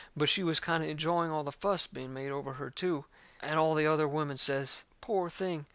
But she was kind o' enjoying all that fuss being made over her, too. And all the other women says: "Poor thing!"